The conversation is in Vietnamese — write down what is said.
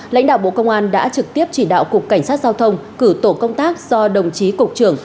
lãnh đạo bộ công an đã trực tiếp chỉ đạo cục cảnh sát giao thông cử tổ công tác do đồng chí cục trưởng